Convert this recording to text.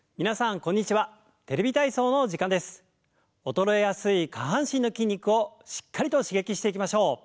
衰えやすい下半身の筋肉をしっかりと刺激していきましょう。